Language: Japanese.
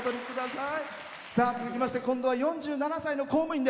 続きまして今度は４７歳の公務員。